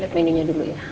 lihat menu nya dulu ya